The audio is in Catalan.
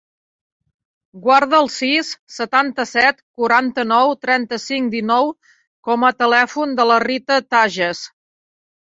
Guarda el sis, setanta-set, quaranta-nou, trenta-cinc, dinou com a telèfon de la Rita Tajes.